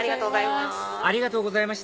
ありがとうございます。